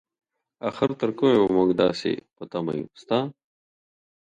اخر تر کومې به مونږ داسې په تمه يو ستا؟